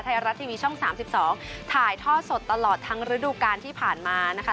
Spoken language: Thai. ไทยรัฐทีวีช่อง๓๒ถ่ายท่อสดตลอดทั้งฤดูการที่ผ่านมานะคะ